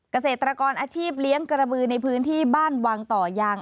เกษตรกรอาชีพเลี้ยงกระบือในพื้นที่บ้านวังต่อยาง